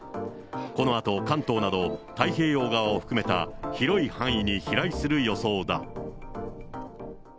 このあと関東など、太平洋側を含めた広い範囲に飛来する予想だ。